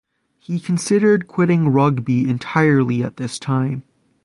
He considered quitting rugby entirely at this time.